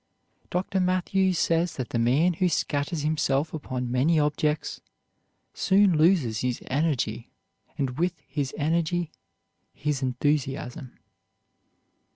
Dr. Mathews says that the man who scatters himself upon many objects soon loses his energy, and with his energy his enthusiasm.